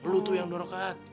lo tuh yang dua rokaat